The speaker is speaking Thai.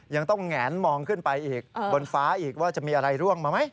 ยังต้องแงนมองขึ้นไปอีกบนฟ้าอีกว่าจะมีอะไรร่วงมาไหม